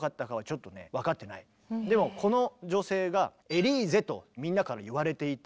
でもこの女性が「エリーゼ」とみんなから言われていた証拠が出てきた。